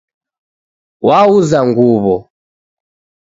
Wauza nguw'o